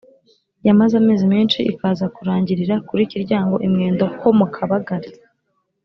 yamaze amezi menshi, ikaza kurangirira kuri Kiryango i Mwendo ho mu Kabagali.